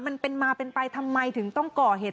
มันเป็นมาเป็นไปทำไมถึงต้องก่อเหตุ